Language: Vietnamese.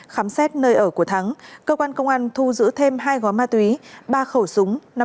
khám xét nơi ở của thắng cơ quan công an thu giữ thêm hai gói ma túy ba khẩu súng